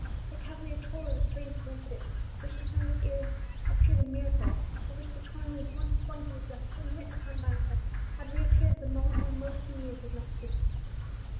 The cavalier told of the strange coincidence, which to some of his hearers appeared a miracle, by which the torn leaf once flung to the dust, then written upon by himself, had reappeared at the moment when most he needed its message of peace.